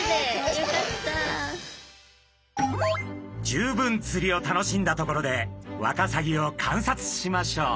十分釣りを楽しんだところでワカサギを観察しましょう。